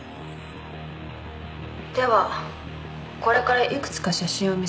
ではこれから幾つか写真を見せます。